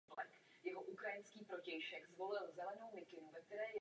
Rozměry tohoto sauropoda nelze s jistotou odhadnout.